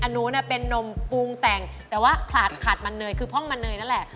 หนูเป็นนมปรุงแต่งแต่ว่าขาดขาดมันเนยคือพ่องมันเนยนั่นแหละ